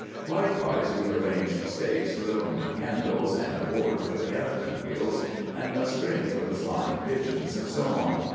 Likewise we arranged stakes for the Roman candles, and a board for the Catharine wheels, and a string for the flying pigeons, and so on.